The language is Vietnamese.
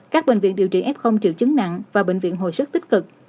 các bệnh viện điều trị f triệu chứng nặng và bệnh viện hồi sức tích cực